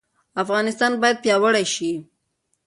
افغانستان باید پیاوړی شي.